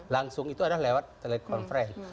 langsung itu adalah lewat telekonferensi